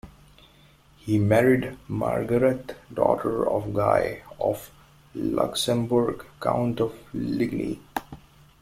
He married Margaret, daughter of Guy of Luxembourg, Count of Ligny.